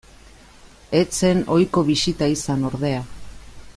Ez zen ohiko bisita izan ordea.